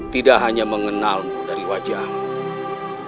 tidak hanya mengenalmu dari wajahmu